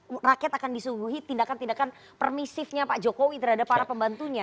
karena rakyat akan disuguhi tindakan tindakan permisifnya pak jokowi terhadap para pembantunya